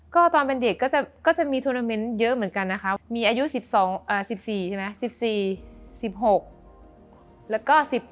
ก็ตอนเป็นเด็กก็จะมีทุนเทอร์เมนต์เยอะเหมือนกันนะคะมีอายุ๑๔๑๖แล้วก็๑๘